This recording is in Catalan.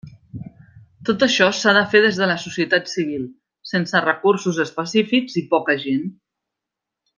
Tot això s'ha fet des de la societat civil, sense recursos específics i poca gent.